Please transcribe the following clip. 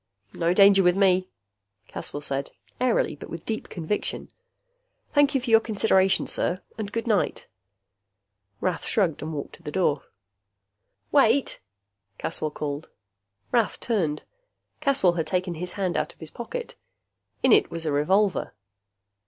"No danger with me," Caswell said, airily but with deep conviction. "Thank you for your consideration, sir. And good night." Rath shrugged and walked to the door. "Wait!" Caswell called. Rath turned. Caswell had taken his hand out of his pocket. In it was a revolver.